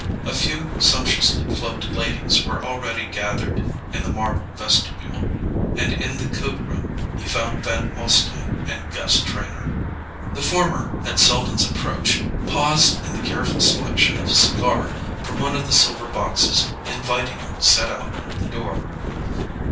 A few sumptuously cloaked ladies were already gathered in the marble vestibule, and in the coat room he found Van Alstyne and Gus Trenor. The former, at Selden's approach, paused in the careful selection of a cigar from one of the silver boxes invitingly set out near the door.